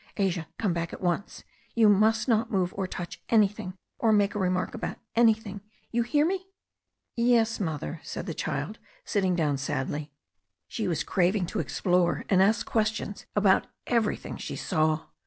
"Asia, come back at once. You must not move, or touch anything, or make a remark about anything. You hear me ?" "Yes, Mother," said the child, sitting down sadly. She was craving to explore and ask questions about everything she saw.